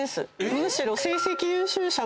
むしろ。